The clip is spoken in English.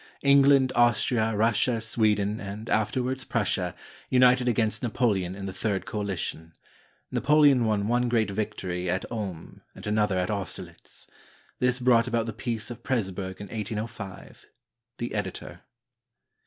England, Austria, Russia, Sweden, and afterwards Prussia, united against Napoleon in the Third Coalition. Napoleon won one great victory at Ulm and another at Austerlitz. This brought about the Peace of Presburg in 1805. The Editor.